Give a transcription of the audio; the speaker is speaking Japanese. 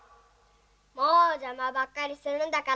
もうじゃまばっかりするんだから！